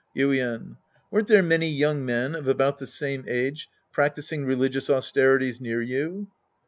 Yuien. Weren't there many young men of about the same age practising religious austerities near you